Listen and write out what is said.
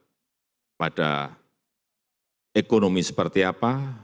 berakibat pada ekonomi seperti apa